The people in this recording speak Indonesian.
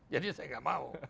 jadi saya tidak mau